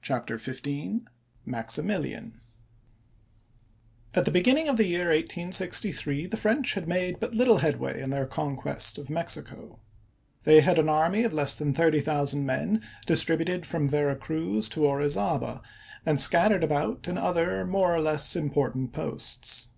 CHAPTER XIV MAXIMILIAN chap. xiv. AT the beginning of the year 1863 the French jljL had made but little headway in their conquest of Mexico. They had an army of less than thirty thousand men distributed from Vera Cruz to Ori zaba and scattered about in other more or less im portant posts.